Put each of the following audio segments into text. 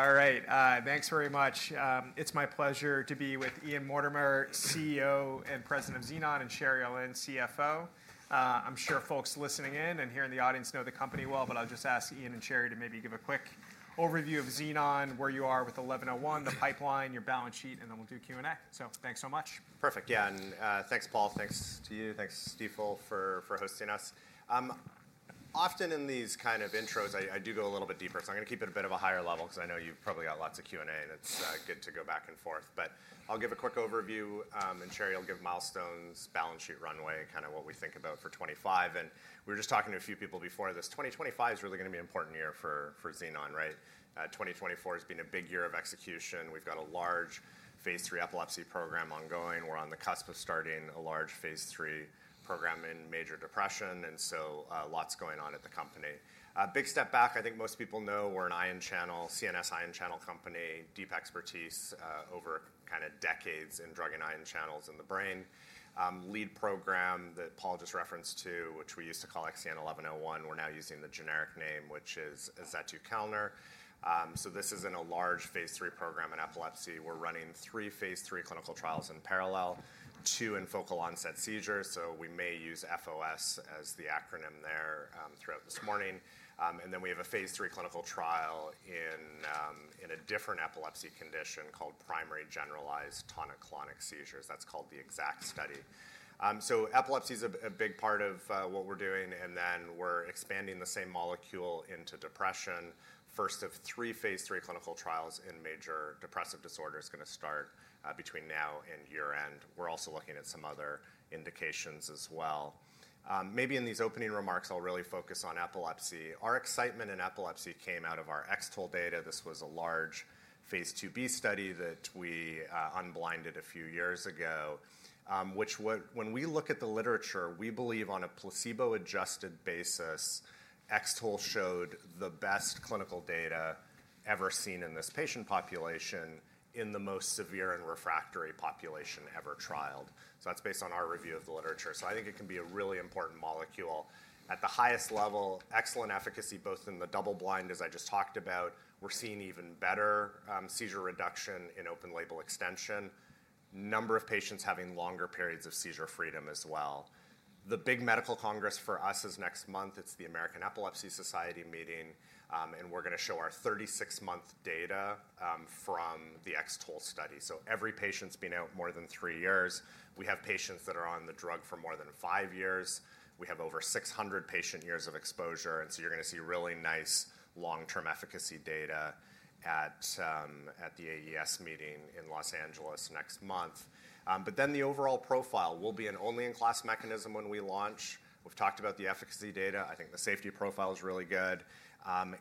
All right. Thanks very much. It's my pleasure to be with Ian Mortimer, CEO and President of Xenon, and Sherry Aulin, CFO. I'm sure folks listening in and here in the audience know the company well, but I'll just ask Ian and Sherry to maybe give a quick overview of Xenon, where you are with 1101, the pipeline, your balance sheet, and then we'll do Q&A. So thanks so much. Perfect. Yeah. And thanks, Paul. Thanks to you. Thanks, Stifel, for hosting us. Often in these kind of intros, I do go a little bit deeper. So I'm going to keep it a bit of a higher level because I know you've probably got lots of Q&A. That's good to go back and forth. But I'll give a quick overview, and Sherry, you'll give milestones, balance sheet, runway, kind of what we think about for 2025. And we were just talking to a few people before this. 2025 is really going to be an important year for Xenon, right? 2024 is being a big year of execution. We've got a large phase 3 epilepsy program ongoing. We're on the cusp of starting a large phase 3 program in major depression. And so lots going on at the company. Big step back. I think most people know we're an ion channel, CNS ion channel company, deep expertise over kind of decades in drug and ion channels in the brain. Lead program that Paul just referenced to, which we used to call XEN1101, we're now using the generic name, which is azetukalner. This is in a large phase 3 program in epilepsy. We're running three phase 3 clinical trials in parallel, two in focal onset seizures. We may use FOS as the acronym there throughout this morning. We have a phase 3 clinical trial in a different epilepsy condition called primary generalized tonic-clonic seizures. That's called the X-ACKT study. Epilepsy is a big part of what we're doing. We're expanding the same molecule into depression. First of three phase 3 clinical trials in major depressive disorders going to start between now and year-end. We're also looking at some other indications as well. Maybe in these opening remarks, I'll really focus on epilepsy. Our excitement in epilepsy came out of our X-TOLE data. This was a large phase 2b study that we unblinded a few years ago, which when we look at the literature, we believe on a placebo-adjusted basis, X-TOLE showed the best clinical data ever seen in this patient population in the most severe and refractory population ever trialed. So that's based on our review of the literature. So I think it can be a really important molecule at the highest level, excellent efficacy both in the double blind, as I just talked about. We're seeing even better seizure reduction in open label extension, number of patients having longer periods of seizure freedom as well. The big medical congress for us is next month. It's the American Epilepsy Society meeting, and we're going to show our 36-month data from the X-TOLE study. So every patient's been out more than three years. We have patients that are on the drug for more than five years. We have over 600 patient years of exposure. And so you're going to see really nice long-term efficacy data at the AES meeting in Los Angeles next month. But then the overall profile will be an only-in-class mechanism when we launch. We've talked about the efficacy data. I think the safety profile is really good.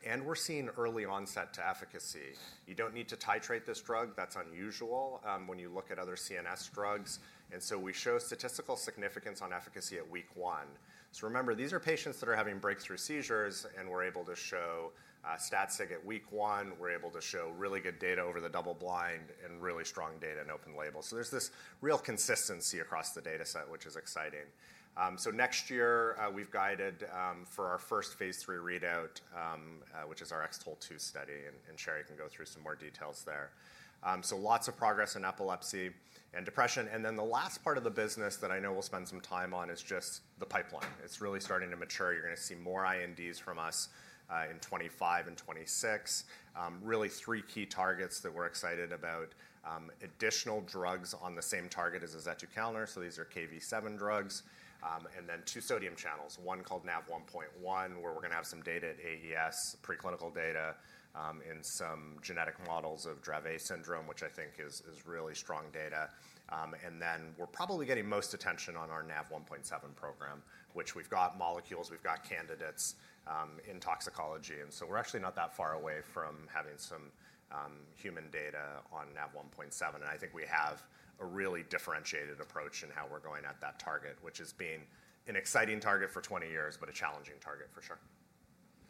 And we're seeing early onset to efficacy. You don't need to titrate this drug. That's unusual when you look at other CNS drugs. And so we show statistical significance on efficacy at week one. So remember, these are patients that are having breakthrough seizures, and we're able to show stat-sig at week one. We're able to show really good data over the double blind and really strong data in open label. So there's this real consistency across the data set, which is exciting. So next year, we've guided for our first phase 3 readout, which is our X-TOLE2 study, and Sherry can go through some more details there. So lots of progress in epilepsy and depression. And then the last part of the business that I know we'll spend some time on is just the pipeline. It's really starting to mature. You're going to see more INDs from us in 2025 and 2026. Really three key targets that we're excited about: additional drugs on the same target as azetukalner. So these are Kv7 drugs. And then two sodium channels, one called NaV1.1, where we're going to have some data at AES, preclinical data in some genetic models of Dravet Syndrome, which I think is really strong data. And then we're probably getting most attention on our NaV1.7 program, which we've got molecules, we've got candidates in toxicology. And so we're actually not that far away from having some human data on NaV1.7. And I think we have a really differentiated approach in how we're going at that target, which is being an exciting target for 20 years, but a challenging target for sure.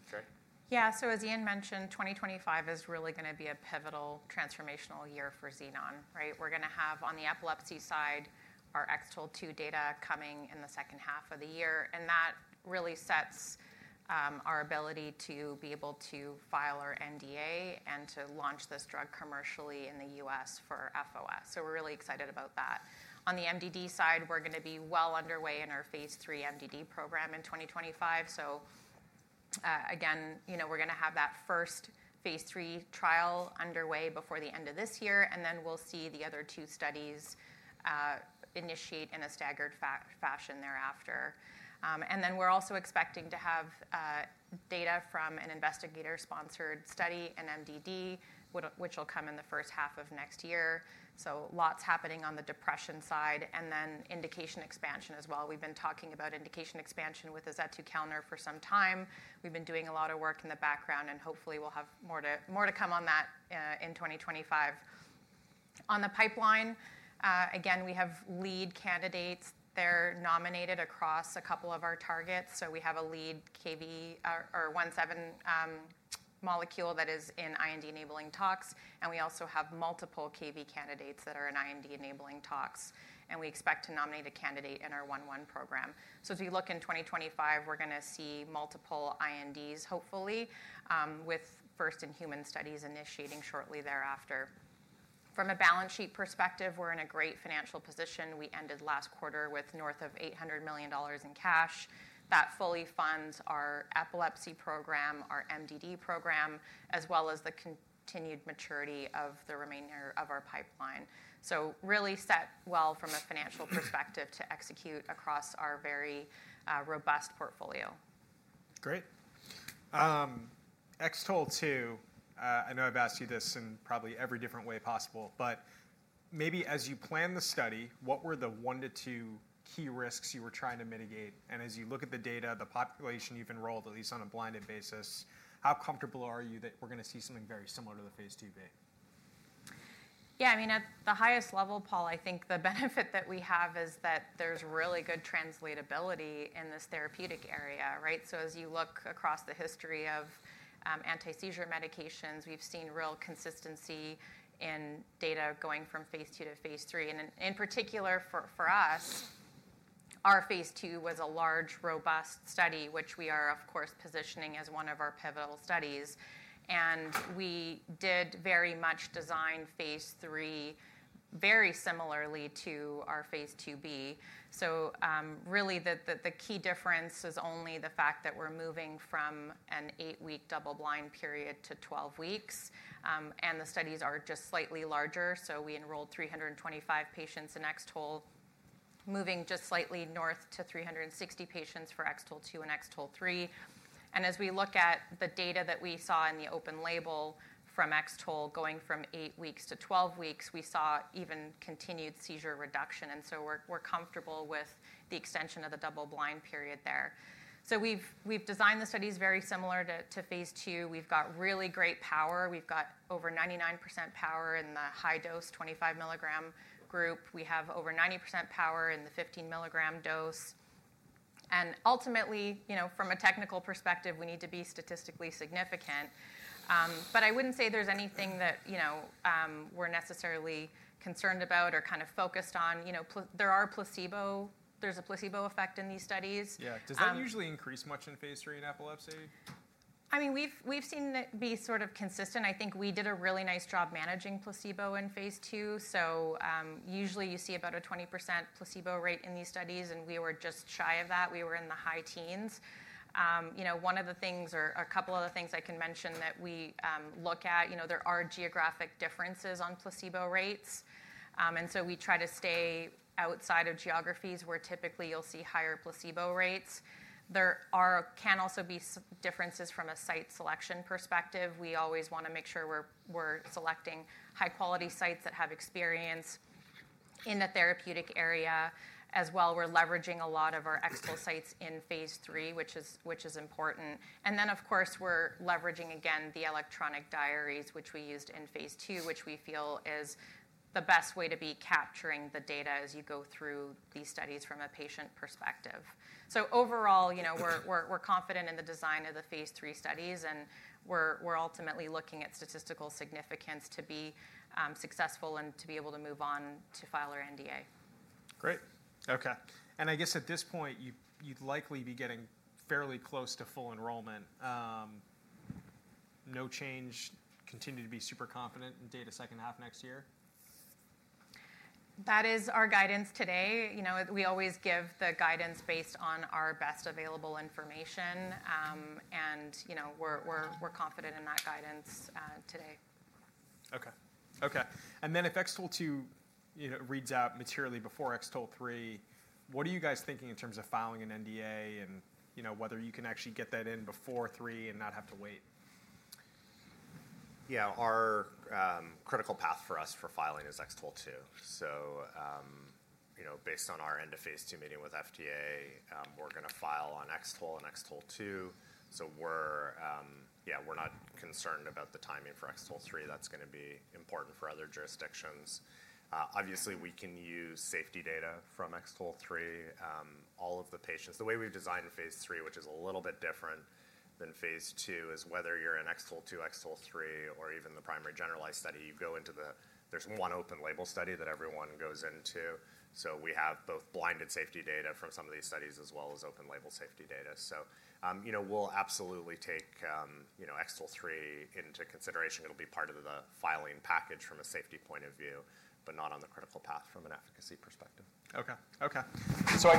Sherry? Yeah. So as Ian mentioned, 2025 is really going to be a pivotal transformational year for Xenon, right? We're going to have on the epilepsy side our X-TOLE2 data coming in the second half of the year. And that really sets our ability to be able to file our NDA and to launch this drug commercially in the U.S. for FOS. So we're really excited about that. On the MDD side, we're going to be well underway in our phase 3 MDD program in 2025. So again, we're going to have that first phase 3 trial underway before the end of this year. And then we'll see the other two studies initiate in a staggered fashion thereafter. And then we're also expecting to have data from an investigator-sponsored study in MDD, which will come in the first half of next year. Lots happening on the depression side and then indication expansion as well. We've been talking about indication expansion with azetukalner for some time. We've been doing a lot of work in the background, and hopefully we'll have more to come on that in 2025. On the pipeline, again, we have lead candidates. They're nominated across a couple of our targets. So we have a lead Kv or 1.7 molecule that is in IND-enabling tox. And we also have multiple Kv7 candidates that are in IND-enabling tox. And we expect to nominate a candidate in our 1.1 program. So as we look in 2025, we're going to see multiple INDs, hopefully, with first-in-human studies initiating shortly thereafter. From a balance sheet perspective, we're in a great financial position. We ended last quarter with north of $800 million in cash. That fully funds our epilepsy program, our MDD program, as well as the continued maturity of the remainder of our pipeline. So really set well from a financial perspective to execute across our very robust portfolio. Great. X-TOLE2, I know I've asked you this in probably every different way possible, but maybe as you plan the study, what were the one to two key risks you were trying to mitigate? And as you look at the data, the population you've enrolled, at least on a blinded basis, how comfortable are you that we're going to see something very similar to the phase 2b? Yeah. I mean, at the highest level, Paul, I think the benefit that we have is that there's really good translatability in this therapeutic area, right? So as you look across the history of anti-seizure medications, we've seen real consistency in data going from phase 2 to phase 3. And in particular for us, our phase 2 was a large robust study, which we are, of course, positioning as one of our pivotal studies. And we did very much design phase 3 very similarly to our phase 2b. So really the key difference is only the fact that we're moving from an eight-week double blind period to 12 weeks. And the studies are just slightly larger. So we enrolled 325 patients in X-TOLE, moving just slightly north to 360 patients for X-TOLE2 and X-TOLE3. And as we look at the data that we saw in the open-label from X-TOLE going from eight weeks to 12 weeks, we saw even continued seizure reduction. And so we're comfortable with the extension of the double-blind period there. So we've designed the studies very similar to phase 2. We've got really great power. We've got over 99% power in the high dose 25 mg group. We have over 90% power in the 15 mg dose. And ultimately, from a technical perspective, we need to be statistically significant. But I wouldn't say there's anything that we're necessarily concerned about or kind of focused on. There are placebo. There's a placebo effect in these studies. Yeah. Does that usually increase much in phase 3 in epilepsy? I mean, we've seen it be sort of consistent. I think we did a really nice job managing placebo in phase 2. So usually you see about a 20% placebo rate in these studies. And we were just shy of that. We were in the high teens. One of the things, or a couple of the things I can mention that we look at, there are geographic differences on placebo rates. And so we try to stay outside of geographies where typically you'll see higher placebo rates. There can also be differences from a site selection perspective. We always want to make sure we're selecting high-quality sites that have experience in the therapeutic area as well. We're leveraging a lot of our X-TOLE sites in phase 3, which is important. Then, of course, we're leveraging, again, the electronic diaries, which we used in phase 2, which we feel is the best way to be capturing the data as you go through these studies from a patient perspective. Overall, we're confident in the design of the phase 3 studies. We're ultimately looking at statistical significance to be successful and to be able to move on to file our NDA. Great. Okay. And I guess at this point, you'd likely be getting fairly close to full enrollment. No change? Continue to be super confident in data second half next year? That is our guidance today. We always give the guidance based on our best available information, and we're confident in that guidance today. Okay. Okay. And then if X-TOLE2 reads out materially before X-TOLE3, what are you guys thinking in terms of filing an NDA and whether you can actually get that in before 3 and not have to wait? Yeah. Our critical path for us for filing is X-TOLE2. So based on our end of phase 2 meeting with FDA, we're going to file on X-TOLE and X-TOLE2. So yeah, we're not concerned about the timing for X-TOLE3. That's going to be important for other jurisdictions. Obviously, we can use safety data from X-TOLE3. All of the patients, the way we've designed phase 3, which is a little bit different than phase 2, is whether you're in X-TOLE2, X-TOLE3, or even the primary generalized study, you go into the, there's one open label study that everyone goes into. So we have both blinded safety data from some of these studies as well as open label safety data. So we'll absolutely take X-TOLE3 into consideration. It'll be part of the filing package from a safety point of view, but not on the critical path from an efficacy perspective. Okay. So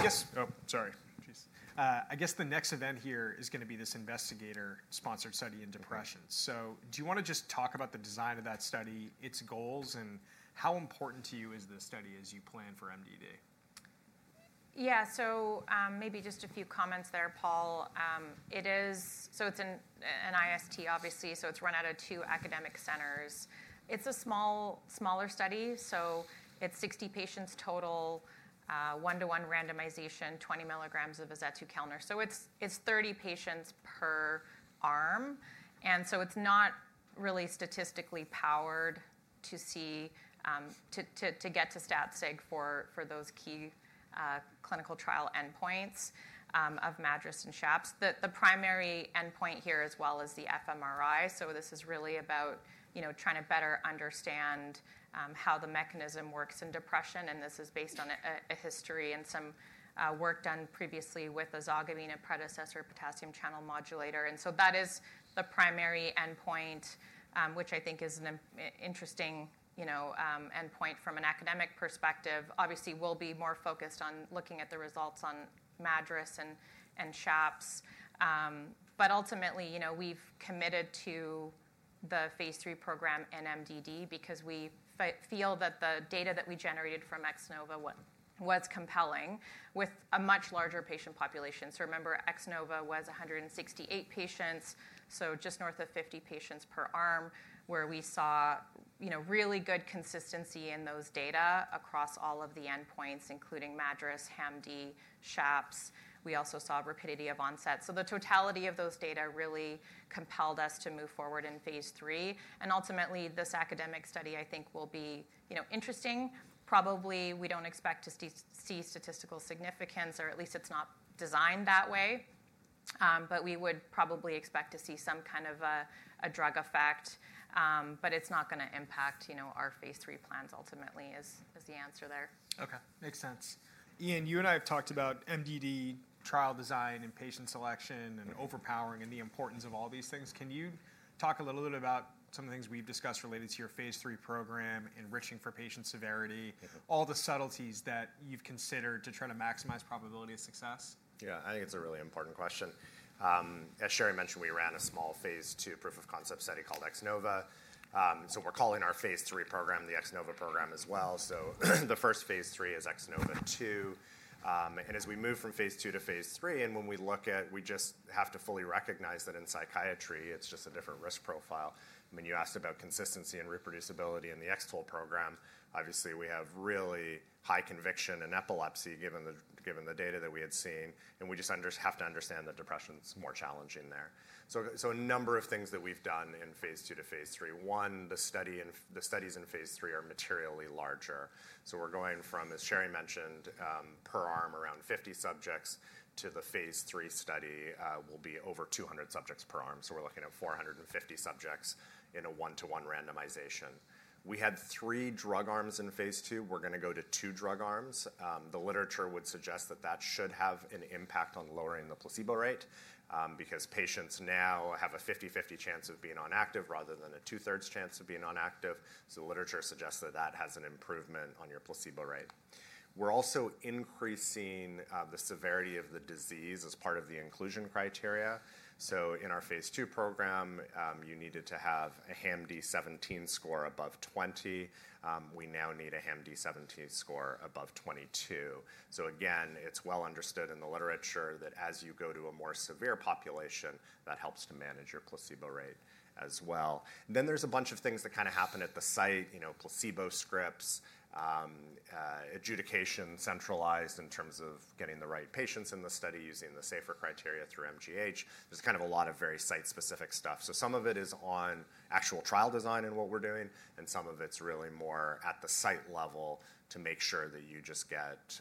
I guess the next event here is going to be this investigator-sponsored study in depression. So do you want to just talk about the design of that study, its goals, and how important to you is the study as you plan for MDD? Yeah. So maybe just a few comments there, Paul. So it's an IST, obviously. So it's run out of two academic centers. It's a smaller study. So it's 60 patients total, one-to-one randomization, 20 mg of azetukalner. So it's 30 patients per arm. And so it's not really statistically powered to get to stat-sig for those key clinical trial endpoints of MADRS and SHAPS. The primary endpoint here as well is the fMRI. So this is really about trying to better understand how the mechanism works in depression. And this is based on a history and some work done previously with an ezogabine predecessor potassium channel modulator. And so that is the primary endpoint, which I think is an interesting endpoint from an academic perspective. Obviously, we'll be more focused on looking at the results on MADRS and SHAPS. But ultimately, we've committed to the phase 3 program in MDD because we feel that the data that we generated from X-NOVA was compelling with a much larger patient population. So remember, X-NOVA was 168 patients, so just north of 50 patients per arm, where we saw really good consistency in those data across all of the endpoints, including MADRS, HAM-D, SHAPS. We also saw rapidity of onset. So the totality of those data really compelled us to move forward in phase 3. And ultimately, this academic study, I think, will be interesting. Probably we don't expect to see statistical significance, or at least it's not designed that way. But we would probably expect to see some kind of a drug effect. But it's not going to impact our phase 3 plans ultimately is the answer there. Okay. Makes sense. Ian, you and I have talked about MDD trial design and patient selection and overpowering and the importance of all these things. Can you talk a little bit about some of the things we've discussed related to your phase 3 program, enriching for patient severity, all the subtleties that you've considered to try to maximize probability of success? Yeah. I think it's a really important question. As Sherry mentioned, we ran a small phase 2 proof of concept study called X-NOVA. So we're calling our phase 3 program the X-NOVA program as well. So the first phase 3 is X-NOVA2. And as we move from phase 2 to phase 3, and when we look at, we just have to fully recognize that in psychiatry, it's just a different risk profile. I mean, you asked about consistency and reproducibility in the X-TOLE program. Obviously, we have really high conviction in epilepsy given the data that we had seen. And we just have to understand that depression's more challenging there. So a number of things that we've done in phase 2 to phase 3. One, the studies in phase 3 are materially larger. We're going from, as Sherry mentioned, per arm around 50 subjects to the phase 3 study will be over 200 subjects per arm. We're looking at 450 subjects in a one-to-one randomization. We had three drug arms in phase 2. We're going to go to two drug arms. The literature would suggest that that should have an impact on lowering the placebo rate because patients now have a 50/50 chance of being on active rather than a 2/3 chance of being on active. The literature suggests that that has an improvement on your placebo rate. We're also increasing the severity of the disease as part of the inclusion criteria. In our phase 2 program, you needed to have a HAM-D17 score above 20. We now need a HAM-D17 score above 22. So again, it's well understood in the literature that as you go to a more severe population, that helps to manage your placebo rate as well. Then there's a bunch of things that kind of happen at the site, placebo response, adjudication centralized in terms of getting the right patients in the study using the SAFER criteria through MGH. There's kind of a lot of very site-specific stuff. So some of it is on actual trial design and what we're doing. And some of it's really more at the site level to make sure that you just get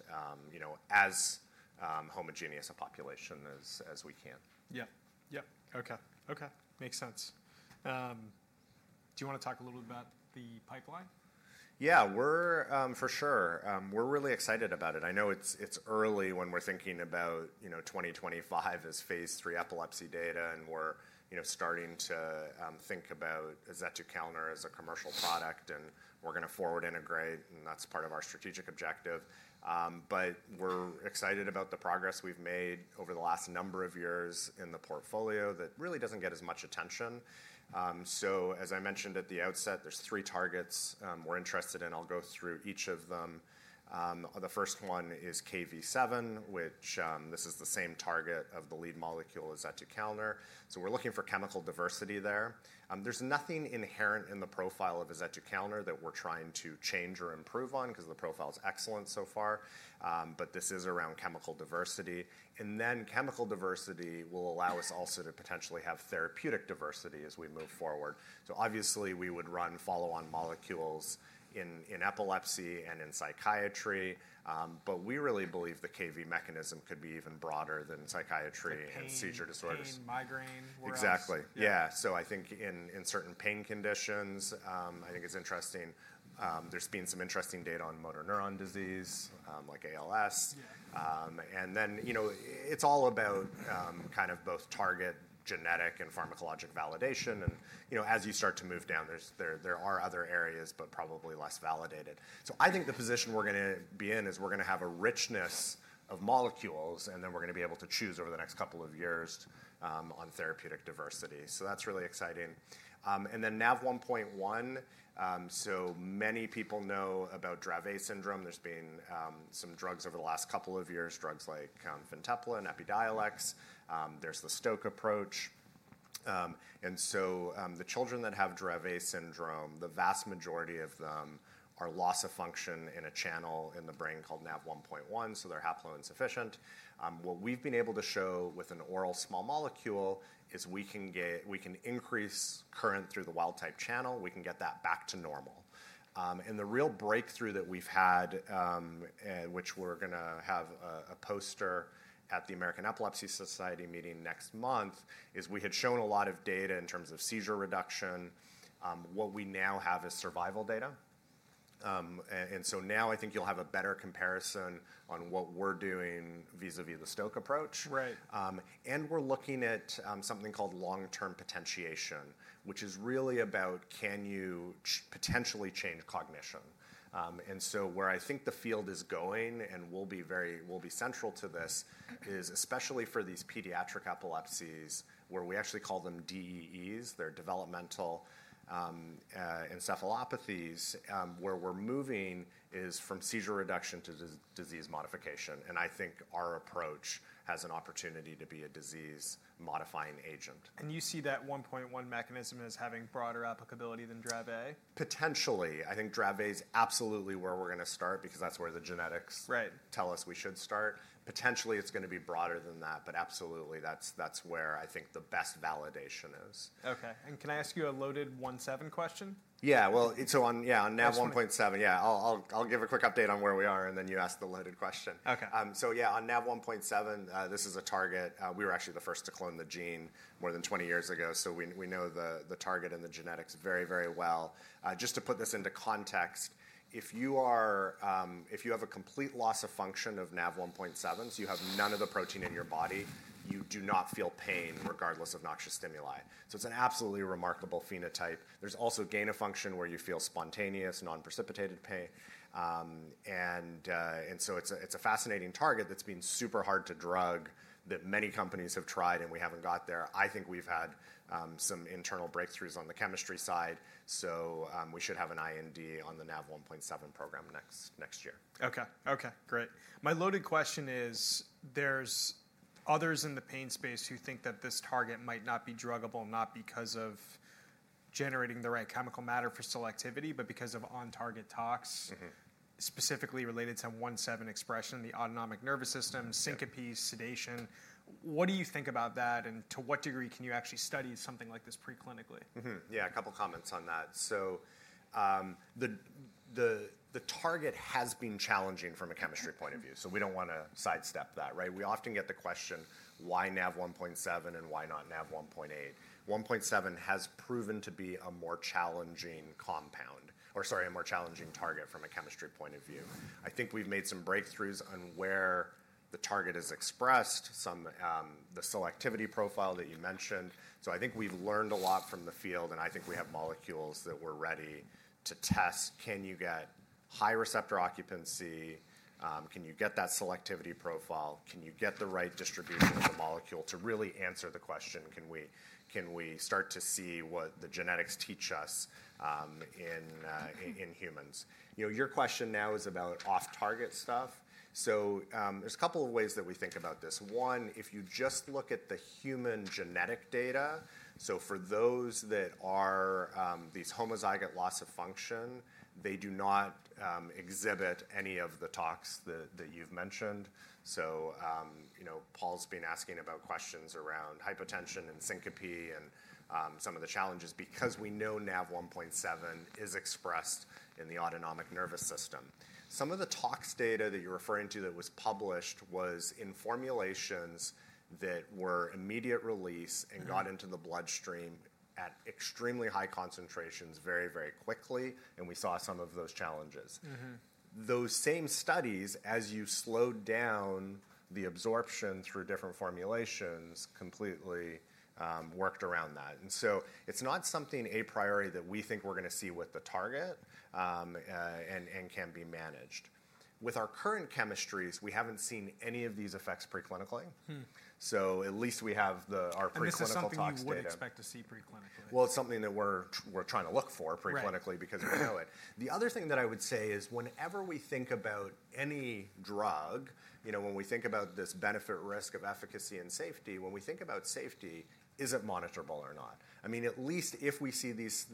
as homogeneous a population as we can. Yeah. Okay. Makes sense. Do you want to talk a little bit about the pipeline? Yeah. For sure. We're really excited about it. I know it's early when we're thinking about 2025 as phase 3 epilepsy data. And we're starting to think about azetukalner as a commercial product. And we're going to forward integrate. And that's part of our strategic objective. But we're excited about the progress we've made over the last number of years in the portfolio that really doesn't get as much attention. So as I mentioned at the outset, there's three targets we're interested in. I'll go through each of them. The first one is Kv7, which this is the same target of the lead molecule azetukalner. So we're looking for chemical diversity there. There's nothing inherent in the profile of azetukalner that we're trying to change or improve on because the profile is excellent so far. But this is around chemical diversity. And then chemical diversity will allow us also to potentially have therapeutic diversity as we move forward. So obviously, we would run follow-on molecules in epilepsy and in psychiatry. But we really believe the Kv mechanism could be even broader than psychiatry and seizure disorders. Migraine, migraine whatever. Exactly. Yeah. So I think in certain pain conditions, I think it's interesting. There's been some interesting data on motor neuron disease like ALS. And then it's all about kind of both target genetic and pharmacologic validation. And as you start to move down, there are other areas, but probably less validated. So I think the position we're going to be in is we're going to have a richness of molecules. And then we're going to be able to choose over the next couple of years on therapeutic diversity. So that's really exciting. And then NaV1.1. So many people know about Dravet syndrome. There's been some drugs over the last couple of years, drugs like Fintepla and Epidiolex. There's the Stoke approach. And so the children that have Dravet syndrome, the vast majority of them are loss of function in a channel in the brain called NaV1.1. They're haplo-insufficient. What we've been able to show with an oral small molecule is we can increase current through the wild-type channel. We can get that back to normal. The real breakthrough that we've had, which we're going to have a poster at the American Epilepsy Society meeting next month, is we had shown a lot of data in terms of seizure reduction. What we now have is survival data. Now I think you'll have a better comparison on what we're doing vis-à-vis the Stoke approach. We're looking at something called long-term potentiation, which is really about can you potentially change cognition. Where I think the field is going and will be central to this is especially for these pediatric epilepsies where we actually call them DEEs. They're developmental encephalopathies. Where we're moving is from seizure reduction to disease modification. I think our approach has an opportunity to be a disease-modifying agent. You see that 1.1 mechanism as having broader applicability than Dravet? Potentially. I think Dravet is absolutely where we're going to start because that's where the genetics tell us we should start. Potentially, it's going to be broader than that. But absolutely, that's where I think the best validation is. Okay, and can I ask you a loaded 1.7 question? Yeah. Well, so yeah, on Nav1.7, yeah, I'll give a quick update on where we are, and then you ask the loaded question, so yeah, on NaV1.7, this is a target. We were actually the first to clone the gene more than 20 years ago, so we know the target and the genetics very, very well. Just to put this into context, if you have a complete loss of function of NaV1.7, so you have none of the protein in your body, you do not feel pain regardless of noxious stimuli, so it's an absolutely remarkable phenotype. There's also gain of function where you feel spontaneous, non-precipitated pain, and so it's a fascinating target that's been super hard to drug that many companies have tried, and we haven't got there. I think we've had some internal breakthroughs on the chemistry side. We should have an IND on the NaV1.7 program next year. Okay. Okay. Great. My loaded question is, there's others in the pain space who think that this target might not be druggable, not because of generating the right chemical matter for selectivity, but because of on-target tox specifically related to 1.7 expression, the autonomic nervous system, syncope, sedation. What do you think about that? And to what degree can you actually study something like this preclinically? Yeah. A couple of comments on that. So the target has been challenging from a chemistry point of view. So we don't want to sidestep that, right? We often get the question, why NaV1.7 and why not NaV1.8? 1.7 has proven to be a more challenging compound or sorry, a more challenging target from a chemistry point of view. I think we've made some breakthroughs on where the target is expressed, the selectivity profile that you mentioned. So I think we've learned a lot from the field. And I think we have molecules that we're ready to test. Can you get high receptor occupancy? Can you get that selectivity profile? Can you get the right distribution of the molecule to really answer the question? Can we start to see what the genetics teach us in humans? Your question now is about off-target stuff. So there's a couple of ways that we think about this. One, if you just look at the human genetic data, so for those that are these homozygous loss of function, they do not exhibit any of the tox that you've mentioned. So Paul's been asking about questions around hypotension and syncope and some of the challenges because we know NaV1.7 is expressed in the autonomic nervous system. Some of the tox data that you're referring to that was published was in formulations that were immediate release and got into the bloodstream at extremely high concentrations very, very quickly. And we saw some of those challenges. Those same studies, as you slowed down the absorption through different formulations, completely worked around that. And so it's not something a priori that we think we're going to see with the target and can be managed. With our current chemistries, we haven't seen any of these effects preclinically. So at least we have our preclinical tox data. What would you expect to see preclinically? It's something that we're trying to look for preclinically because we know it. The other thing that I would say is whenever we think about any drug, when we think about this benefit-risk of efficacy and safety, when we think about safety, is it monitorable or not? I mean, at least if we see this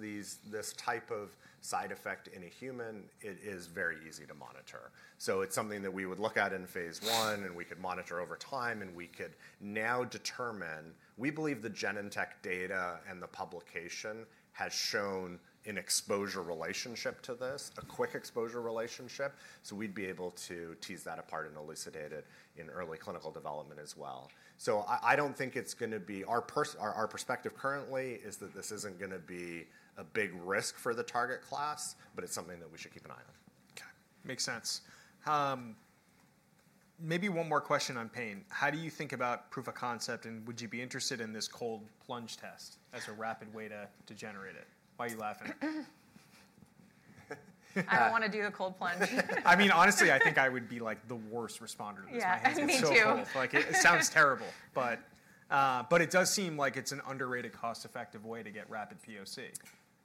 type of side effect in a human, it is very easy to monitor. So it's something that we would look at in phase one. We could monitor over time. We could now determine, we believe the Genentech data and the publication has shown an exposure relationship to this, a quick exposure relationship. So we'd be able to tease that apart and elucidate it in early clinical development as well. So, I don't think it's going to be our perspective currently is that this isn't going to be a big risk for the target class. But it's something that we should keep an eye on. Okay. Makes sense. Maybe one more question on pain. How do you think about proof of concept? And would you be interested in this cold plunge test as a rapid way to generate it? Why are you laughing? I don't want to do the cold plunge. I mean, honestly, I think I would be like the worst responder to this in my head too. Yeah. Me too. It sounds terrible. But it does seem like it's an underrated cost-effective way to get rapid POC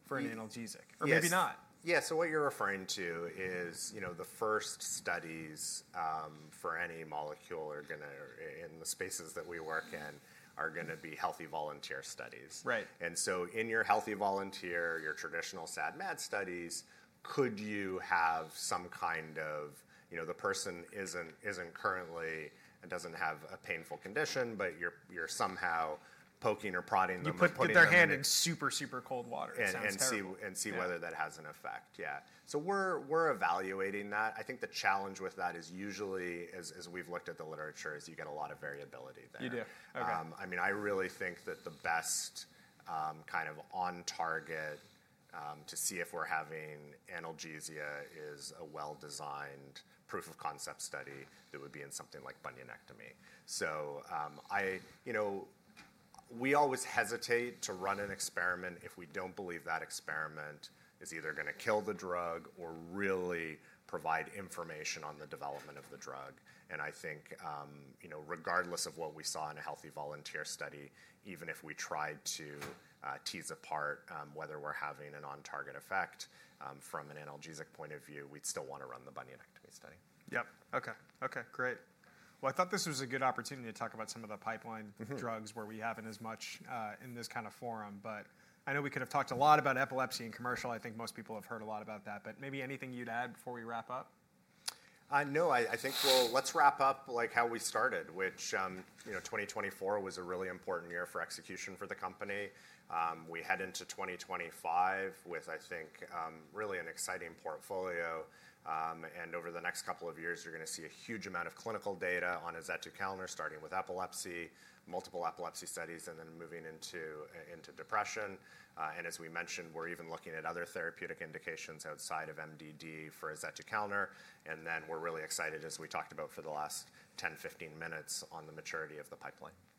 for an analgesic. Or maybe not. Yeah. So what you're referring to is the first studies for any molecule are going to, in the spaces that we work in, be healthy volunteer studies. And so in your healthy volunteer, your traditional SAD/MAD studies, could you have some kind of the person isn't currently and doesn't have a painful condition. But you're somehow poking or prodding them with poison ivy. You put their hand in super, super cold water. It sounds terrible. And see whether that has an effect. Yeah. So we're evaluating that. I think the challenge with that is usually, as we've looked at the literature, is you get a lot of variability there. You do. Okay. I mean, I really think that the best kind of on-target to see if we're having analgesia is a well-designed proof of concept study that would be in something like bunionectomy. So we always hesitate to run an experiment if we don't believe that experiment is either going to kill the drug or really provide information on the development of the drug. And I think regardless of what we saw in a healthy volunteer study, even if we tried to tease apart whether we're having an on-target effect from an analgesic point of view, we'd still want to run the bunionectomy study. Yep. Okay. Great. Well, I thought this was a good opportunity to talk about some of the pipeline drugs where we haven't as much in this kind of forum. But I know we could have talked a lot about epilepsy in commercial. I think most people have heard a lot about that. But maybe anything you'd add before we wrap up? No. I think, well, let's wrap up like how we started, which 2024 was a really important year for execution for the company. We head into 2025 with, I think, really an exciting portfolio. And over the next couple of years, you're going to see a huge amount of clinical data on azetukalner, starting with epilepsy, multiple epilepsy studies, and then moving into depression. And as we mentioned, we're even looking at other therapeutic indications outside of MDD for azetukalner. And then we're really excited, as we talked about for the last 10, 15 minutes, on the maturity of the pipeline.